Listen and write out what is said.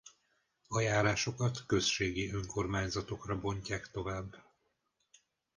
A járásokat községi önkormányzatokra bontják tovább.